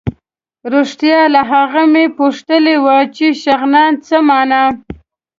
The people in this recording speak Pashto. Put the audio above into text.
رښتیا له هغه مې پوښتلي وو چې شغنان څه مانا.